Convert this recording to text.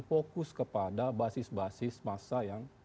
fokus kepada basis basis masa yang